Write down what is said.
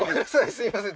すいません